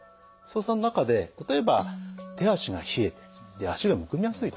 その中で例えば手足が冷えて足がむくみやすいと。